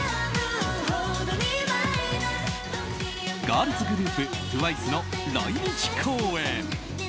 ガールズグループＴＷＩＣＥの来日公演。